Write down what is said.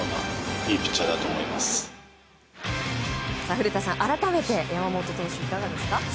古田さん、改めて山本投手いかがですか？